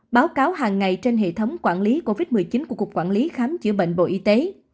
báo cáo hàng ngày trên hệ thống quản lý covid một mươi chín của cục quản lý khám chữa bệnh bộ y tế